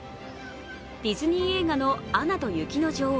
ディズニー映画の「アナと雪の女王」